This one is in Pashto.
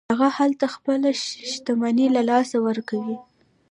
هغه هلته خپله شتمني له لاسه ورکوي.